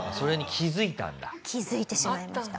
気づいてしまいました。